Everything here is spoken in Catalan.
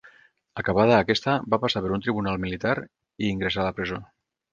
Acabada aquesta, va passar per un tribunal militar i ingressà a la presó.